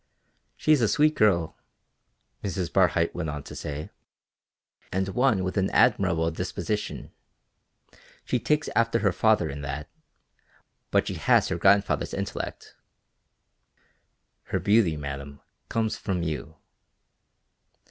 "She is a sweet girl," Mrs. Barhyte went on to say, "and one with an admirable disposition; she takes after her father in that, but she has her grandfather's intellect." "Her beauty, madam, comes from you."